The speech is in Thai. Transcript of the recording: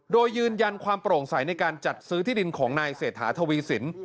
โดยยืนยันความโปร่งใสในการจัดซื้อที่ดินของนายเศรษฐาทวีสิน